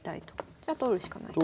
じゃ取るしかないと。